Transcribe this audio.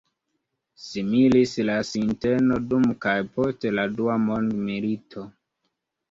Similis la sinteno dum kaj post la dua mondomilito.